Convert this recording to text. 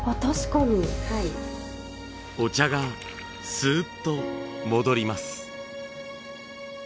お茶がスーッと戻ります。